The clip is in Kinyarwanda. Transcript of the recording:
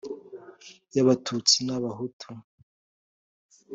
y abatutsi n abahutu